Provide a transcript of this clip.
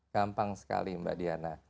gampang sekali mbak dian